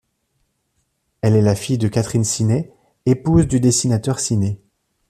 Elle est la fille de Catherine Sinet, épouse du dessinateur Siné.